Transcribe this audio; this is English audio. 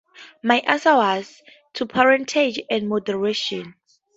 My answer was, 'To parentage and moderation'.